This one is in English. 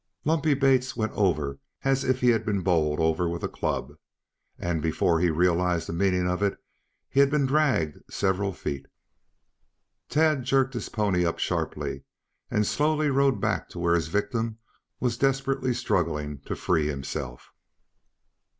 Lumpy Bates went over as if he had been bowled over with a club, and before he had realized the meaning of it he had been dragged several feet. Tad jerked his pony up sharply and slowly rode back to where his victim was desperately struggling to free himself.